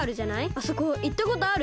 あそこいったことある？